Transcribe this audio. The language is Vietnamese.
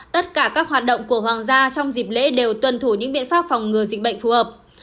tất cả các hoạt động của hoàng gia trong dịp lễ đều tuân thủ những biện pháp phòng ngừa dịch bệnh phù hợp